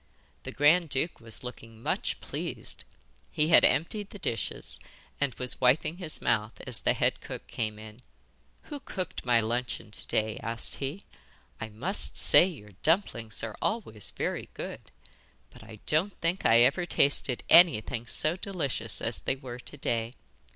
The grand duke was looking much pleased. He had emptied the dishes, and was wiping his mouth as the head cook came in. 'Who cooked my luncheon to day?' asked he. 'I must say your dumplings are always very good; but I don't think I ever tasted anything so delicious as they were to day.